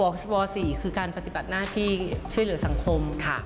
ชบ๔คือการปฏิบัติหน้าที่ช่วยเหลือสังคมค่ะ